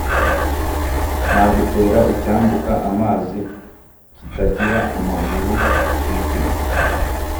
Nagutera icyambuka amazi kitagira amaguru : Ijwi